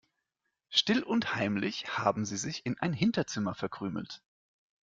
Still und heimlich haben sie sich in ein Hinterzimmer verkrümelt.